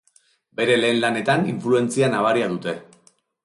Bere lehen lanetan influentzia nabaria dute.